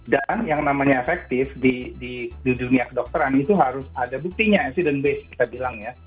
dan yang namanya efektif di dunia kedokteran itu harus ada buktinya incident based kita bilang ya